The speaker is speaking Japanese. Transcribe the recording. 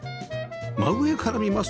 真上から見ますとおや？